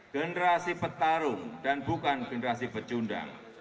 generasi petarung dan bukan generasi pecundang